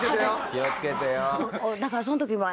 気をつけてよ。